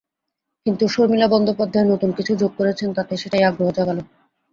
কিন্তু শর্মিলা বন্দ্যোপাধ্যায় নতুন কিছু যোগ করেছেন তাতে, সেটাই আগ্রহ জাগালো।